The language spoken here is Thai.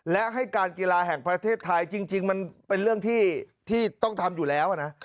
และให้การกีฬาแห่งประเทศไทยจริงมันเป็นเรื่องที่ต้องทำอยู่แล้วนะ